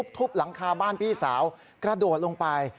ทุบหลังคาบ้านพี่สาวกระโดดลงไป